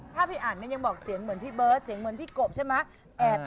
พี่อันนั้นยังบอกเสียงเหมือนพี่เบิร์ตเสียงเหมือนพี่กบใช่ไหม